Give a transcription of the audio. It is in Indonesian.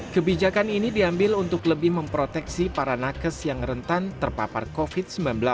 kebijakan ini diambil untuk lebih memproteksi para nakes yang rentan terpapar covid sembilan belas